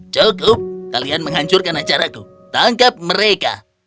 cukup kalian menghancurkan acaraku tangkap mereka